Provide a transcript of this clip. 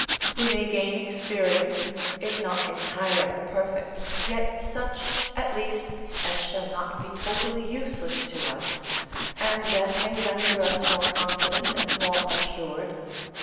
We may gain experience, if not entire and perfect, yet such, at least, as shall not be totally useless to us, and that may render us more confident and more assured.